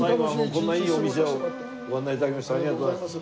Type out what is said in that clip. こんないいお店をご案内頂きましてありがとうございます。